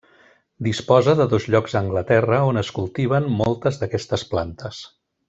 Disposa de dos llocs a Anglaterra on es cultiven moltes d'aquestes plantes.